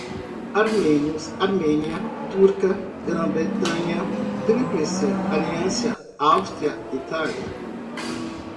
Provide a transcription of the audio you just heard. Maomé Ali, grão-vizir, armênios, Armênia, turca, Grã-Bretanha, Tríplice Aliança, Áustria, Itália